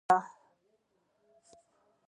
یا به په ځانګړو ودانیو کې ساتل کېدل.